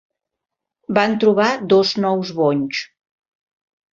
Van trobar dos nous bonys.